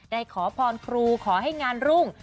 ขอพรครูขอให้งานรุ่ง